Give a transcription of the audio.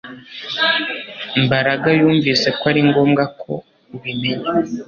Mbaraga yumvise ko ari ngombwa ko ubimenya